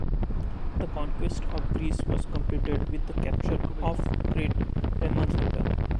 The conquest of Greece was completed with the capture of Crete a month later.